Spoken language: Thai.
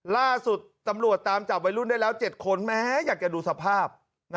ล่าสุดตำรวจตามจับวัยรุ่นได้แล้ว๗คนแม้อยากจะดูสภาพ